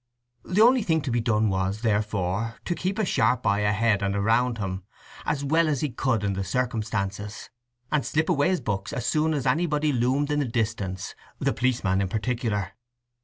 The only thing to be done was, therefore, to keep a sharp eye ahead and around him as well as he could in the circumstances, and slip away his books as soon as anybody loomed in the distance, the policeman in particular.